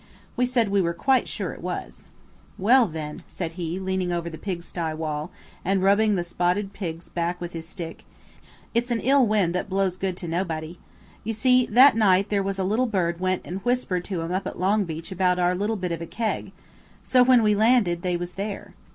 We said we were quite sure it was. "Well, then," said he, leaning over the pigsty wall, and rubbing the spotted pig's back with his stick. "It's an ill wind that blows no good to nobody. You see, that night there was a little bird went and whispered to 'em up at Longbeach about our little bit of a keg. So when we landed they was there."